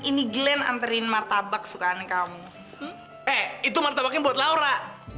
ini glenn antarin martabak sukaan kamu eh itu martabaknya buat laura